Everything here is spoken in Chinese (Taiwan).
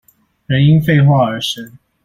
人因廢話而生